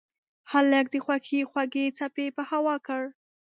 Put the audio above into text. هلک د خوښۍ خوږې څپې په هوا کړ.